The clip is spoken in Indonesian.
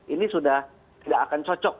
ini sudah tidak akan cocok